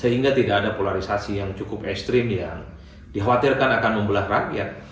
sehingga tidak ada polarisasi yang cukup ekstrim yang dikhawatirkan akan membelah rakyat